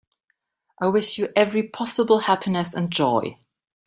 I wish you every possible happiness and joy.